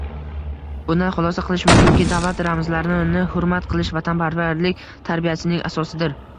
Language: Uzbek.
Bundan xulosa qilish mumkinki, davlat ramzlarini hurmat qilish vatanparvarlik tarbiyasining asosidir